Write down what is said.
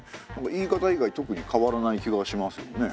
言い方以外特に変わらない気がしますよね。